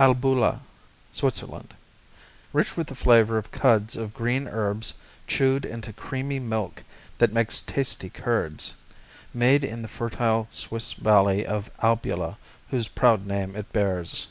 Albula Switzerland Rich with the flavor of cuds of green herbs chewed into creamy milk that makes tasty curds. Made in the fertile Swiss Valley of Albula whose proud name it bears.